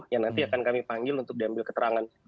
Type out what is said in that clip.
yang nanti akan kami panggil untuk diambil keterangan